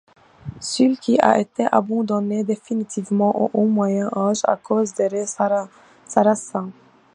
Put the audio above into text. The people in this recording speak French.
Sulky a été abandonnée definitivement au Haut Moyen Âge à cause des raids sarrasins.